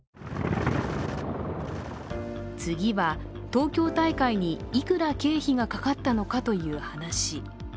次は東京大会にいくら経費がかかったのかという話。